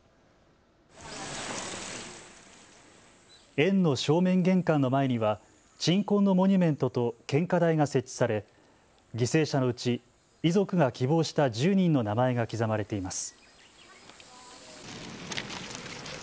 園の正面玄関の前には鎮魂のモニュメントと献花台が設置され犠牲者のうち遺族が希望した１０人の名前が刻まれています。